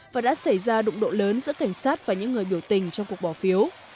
và đã xảy ra đụng độ lớn giữa cảnh sát và những người biểu tình trong cuộc bỏ phiếu